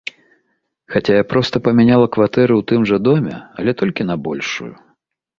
Хаця я проста памяняла кватэру ў тым жа доме, але толькі на большую.